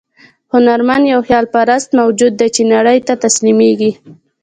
هنرمند یو خیال پرست موجود دی چې نړۍ ته تسلیمېږي.